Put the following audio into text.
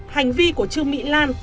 hành vi của trương mỹ lan